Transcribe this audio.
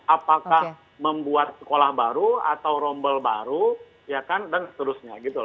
apakah membuat sekolah baru atau rombol baru dan seterusnya